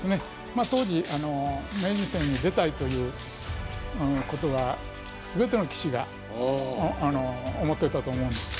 まあ当時名人戦に出たいということは全ての棋士が思ってたと思うんです。